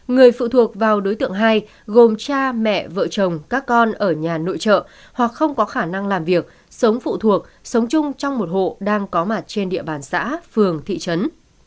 người phụ thuộc vào đối tượng hai gồm cha mẹ vợ chồng các con ở nhà nội trợ hoặc không có khả năng làm việc sống phụ thuộc sống chung trong một hộ đang có mặt trên địa bàn xã phường thị trấn